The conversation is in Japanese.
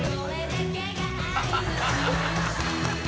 「ハハハハ！」